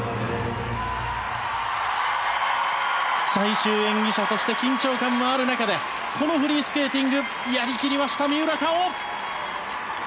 最終演技者として緊張感のある中でこのフリースケーティングやりきりました、三浦佳生！